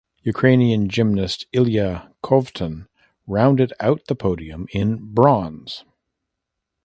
Ukrainian gymnast Illia Kovtun rounded out the podium in bronze.